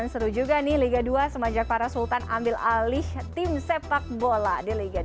seru juga nih liga dua semenjak para sultan ambil alih tim sepak bola di liga dua